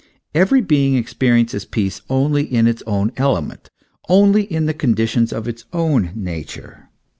Every being experiences peace only in its own element, only in the conditions of its own nature.